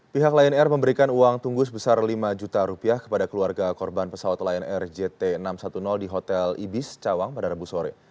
pihak lion air memberikan uang tunggu sebesar lima juta rupiah kepada keluarga korban pesawat lion air jt enam ratus sepuluh di hotel ibis cawang pada rabu sore